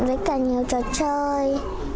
với cả nhiều trò chơi